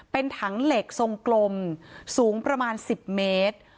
เป็นถังเหล็กทรงกลมสูงประมาณ๑๐เมตร